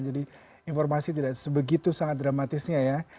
jadi informasi tidak sebegitu sangat dramatisnya ya